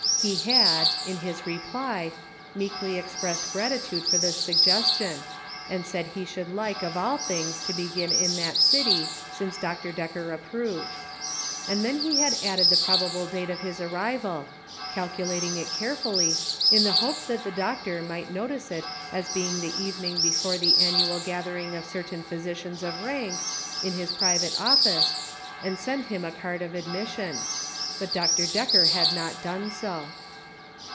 He had, in his reply, meekly expressed gratitude for the suggestion, and said he should like, of all things, to begin in that city, since Dr. Decker approved. And then he had added the probable date of his arrival, calculating it carefully, in the hope that the doctor might notice it as being the evening before the annual gathering of certain physicians of rank, in his pri vate oflfice, and send him a card of admission ; but Dr. Decker had not done so.